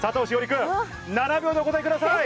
君７秒でお答えください。